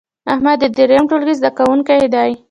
احمد د دریم ټولګې زده کوونکی دی.